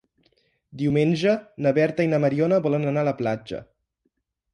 Diumenge na Berta i na Mariona volen anar a la platja.